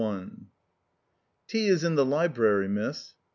III 1 "Tea is in the library, miss."